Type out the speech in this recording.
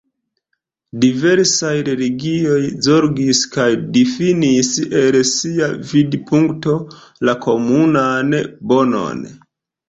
Diversaj religioj zorgis kaj difinis, el sia vidpunkto, la komunan bonon.